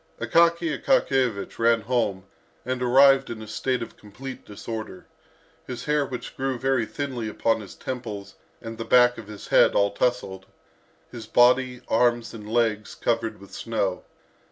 Akaky Akakiyevich ran home and arrived in a state of complete disorder, his hair which grew very thinly upon his temples and the back of his head all tousled, his body, arms and legs, covered with snow.